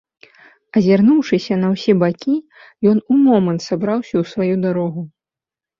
Азірнуўшыся на ўсе бакі, ён у момант сабраўся ў сваю дарогу.